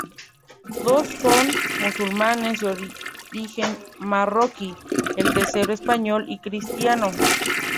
Dos son musulmanes, de origen marroquí; el tercero, español y cristiano.